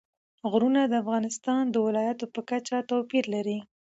غرونه د افغانستان د ولایاتو په کچه توپیر لري.